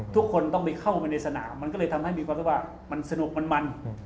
ทุกคนต้องไปเข้ามาในสนามมันก็เลยทำให้มีความสนุกมัน